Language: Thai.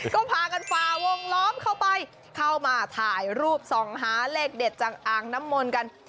ก็พากันฝ่าวงล้อมเข้าไปเข้ามาถ่ายรูปส่องหาเลขเด็ดจากอ่างน้ำมนต์กัน